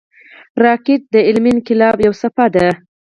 راکټ د علمي انقلاب یوه څپه ده